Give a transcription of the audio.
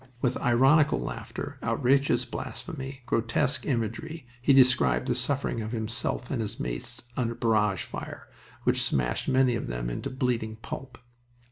With ironical laughter, outrageous blasphemy, grotesque imagery, he described the suffering of himself and his mates under barrage fire, which smashed many of them into bleeding pulp.